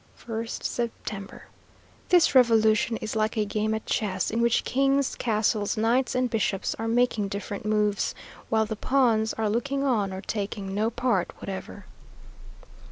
1st September. This revolution is like a game at chess, in which kings, castles, knights, and bishops, are making different moves, while the pawns are looking on or taking no part whatever.